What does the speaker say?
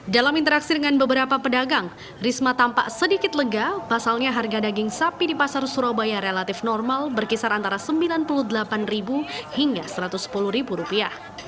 dalam interaksi dengan beberapa pedagang risma tampak sedikit lega pasalnya harga daging sapi di pasar surabaya relatif normal berkisar antara sembilan puluh delapan hingga satu ratus sepuluh rupiah